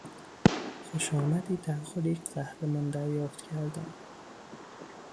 خوشامدی در خور یک قهرمان دریافت کردن